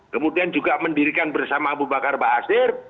kemudian juga mendirikan bersama abu bakar basir